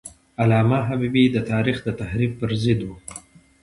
علامه حبیبي د تاریخ د تحریف پر ضد و.